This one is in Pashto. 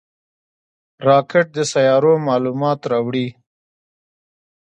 راکټ د سیارویو معلومات راوړي